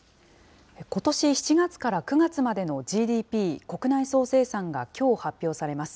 ことし７月から９月までのＧＤＰ・国内総生産がきょう発表されます。